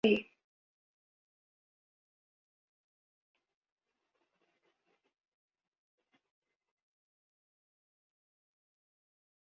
คลื่นไส้